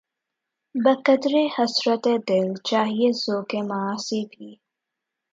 بقدرِ حسرتِ دل‘ چاہیے ذوقِ معاصی بھی